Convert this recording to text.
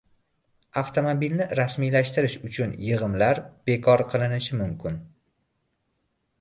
Avtomobilni rasmiylashtirish uchun yig‘imlar bekor qilinishi mumkin